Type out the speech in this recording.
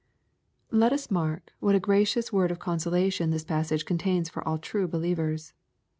Let us mark what a gracious word of consolation this passage coriainsfor all true believers.